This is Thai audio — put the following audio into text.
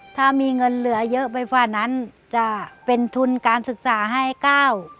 ถ้ามีเงินเหลือเยอะไปฝ่านั้นจะเป็นทุนการศึกษาให้ก้าว